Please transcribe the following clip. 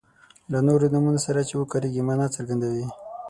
له نورو نومونو سره چې وکاریږي معنا څرګندوي.